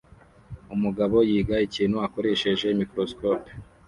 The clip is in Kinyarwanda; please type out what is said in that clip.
Umugabo yiga ikintu akoresheje microscope